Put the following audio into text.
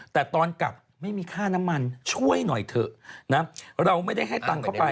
แต่ตอนกลับไม่มีค่าน้ำมันช่วยหน่อยเถอะนะเราไม่ได้ให้ตังค์เข้าไป